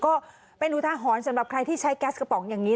ก็เป็นอุทหรณ์สำหรับใครที่ใช้แก๊สกระป๋องอย่างนี้